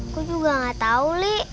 aku juga gak tahu li